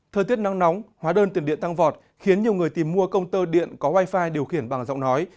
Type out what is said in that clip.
thời tiết nắng nóng hóa đơn tiền điện tăng vọt khiến nhiều người tìm mua công tơ điện có wifi điều khiển bằng giọng nói